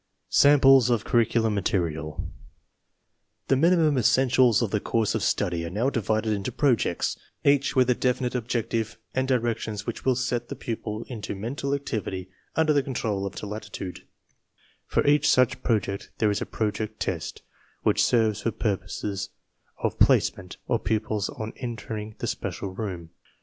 SAMPLES OF CURRICULUM MATERIAL The minimum essentials of the course of study are now divided into projects, each with a definite objective and directions which will set the pupil into mental ac INSTRUCTION IN ADJUSTMENT ROOMS 57 tivity under the control of a general mental attitude. For each such Project there is a Project Test, which serves for purposes of "placement" of pupils on enter ing the special room.